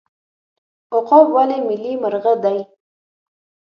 عقاب ولې ملي مرغه دی؟